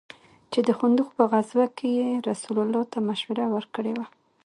چې د خندق په غزوه كښې يې رسول الله ته مشوره وركړې وه.